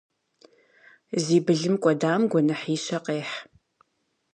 Зи былым кӏуэдам гуэныхьищэ къехь.